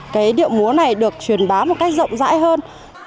cái điệu múa này được truyền bá một cách rộng rãi hơn